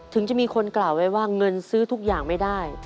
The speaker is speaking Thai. ถึงจะมีคนกล่าวไว้ว่าเงินซื้อทุกอย่างไม่ได้